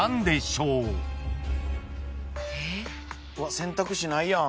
選択肢ないやん。